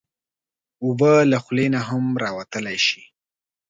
اوبه له خولې نه هم راوتلی شي.